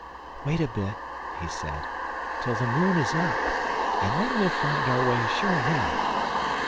"Wait a bit," he said, "till the moon is up, and then we'll find our way sure enough."